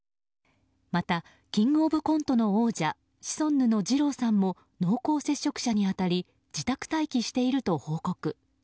また「キングオブコント」の王者シソンヌのじろうさんも濃厚接触者に当たり自宅待機していると報告。